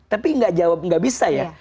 tapi gak jawab gak bisa ya